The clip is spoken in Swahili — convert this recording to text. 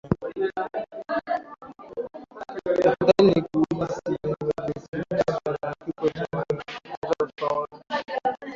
Tafadhali nakusihi nimesikitishwa na kifo cha Magreth nataka kuwakamata waliomuua